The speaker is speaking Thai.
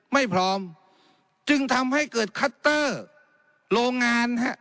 ไม่พร้อมจึงทำให้เกิดคัตเตอร์โรงงานฮะ